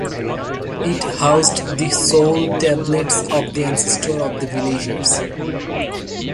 It housed the soul tablets of the ancestors of the villagers.